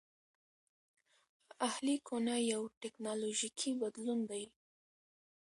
اهلي کونه یو ټکنالوژیکي بدلون دی